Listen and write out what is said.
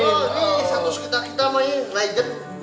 ini satu sekitar kita mah ini legend